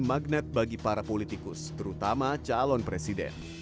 magnet bagi para politikus terutama calon presiden